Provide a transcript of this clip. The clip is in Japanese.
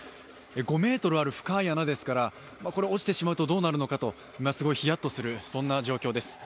５ｍある深い穴ですから、落ちてしまうとどうなるのかと、ひやっとする、そんな状況です。